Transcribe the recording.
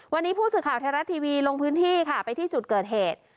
วันนี้ผู้สื่อข่าวไทยรัฐทีวีลงพื้นที่ค่ะไปที่จุดเกิดเหตุ